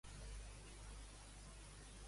Quins fets retreia Iglesias a Rivera?